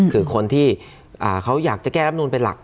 คือคนที่เขาอยากจะแก้รับนูนเป็นหลัก